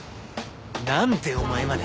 なんでお前まで？